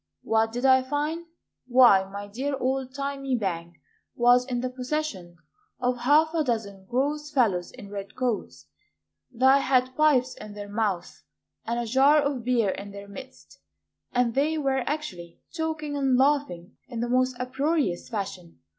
What did I find? Why, my dear old thymy bank Was in the possession Of half a dozen gross fellows in red coats, Thy had pipes in their mouths, And a jar of beer in their midst, And they were actually talking and laughing In the most uproarious fashion.